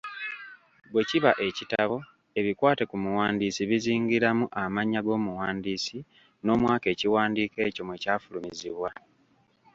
Bwe kiba ekitabo, ebikwata ku muwandiisi bizingiramu; amannya g’omuwandiisi n'omwaka ekiwandiiko ekyo mwe kyafulumirizibwa.